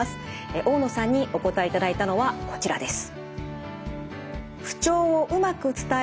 大野さんにお答えいただいたのはこちらです。